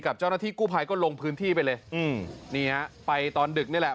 เจ้าหน้าที่กู้ภัยก็ลงพื้นที่ไปเลยอืมนี่ฮะไปตอนดึกนี่แหละ